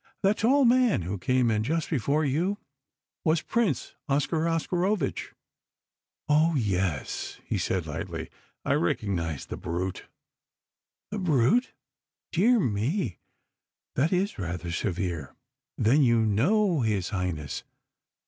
That tall man who came in just before you was Prince Oscar Oscarovitch." "Oh yes," he said lightly; "I recognised the brute." "The brute? Dear me, that is rather severe. Then you know His Highness?"